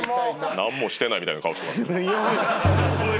なんもしてないみたいな顔してますね。